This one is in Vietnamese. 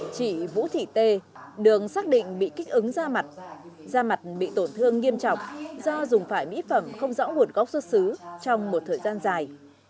chị vũ thị tê đường xác định bị kích ứng da mặt da mặt bị tổn thương nghiêm trọng do dùng phải mỹ phẩm không rõ nguồn gốc xuất xứ trong một thời gian dài